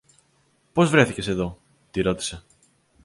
Πώς βρέθηκες εδώ; τη ρώτησε.